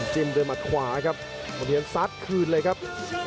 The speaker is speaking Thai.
จิ้มด้วยมัดขวาครับบนเทียนซัดคืนเลยครับ